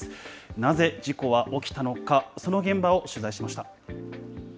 なぜ、事故は起きたのか、その現場を取材しました。